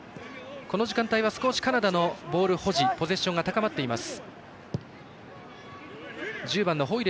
この時間帯はカナダのボール保持ポゼッション高まっています。